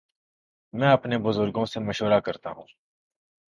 میں اپنے بزرگوں سے مشورہ کرتا ہوں۔